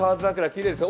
きれいですね。